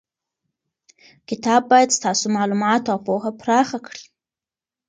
کتاب باید ستاسو معلومات او پوهه پراخه کړي.